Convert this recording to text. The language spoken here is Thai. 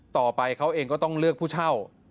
ต่อไปเขาเองก็ต้องเลือกผู้เช่า